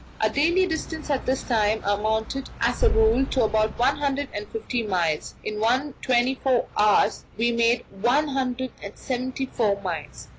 Our daily distance at this time amounted as a rule to about one hundred and fifty miles; in one twenty four hours we made one hundred and seventy four miles.